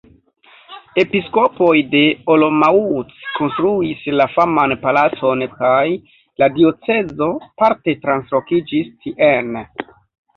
Episkopoj de Olomouc konstruis la faman Palacon kaj la diocezo parte translokiĝis tien.